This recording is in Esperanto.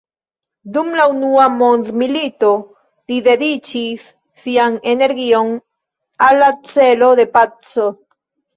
Dum la Unua mondmilito li dediĉis sian energion al la celo de paco.